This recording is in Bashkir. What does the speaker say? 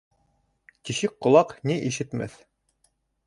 Тишек ҡолаҡ ни ишетмәҫ.